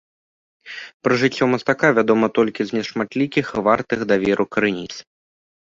Пра жыццё мастака вядома толькі з нешматлікіх вартых даверу крыніц.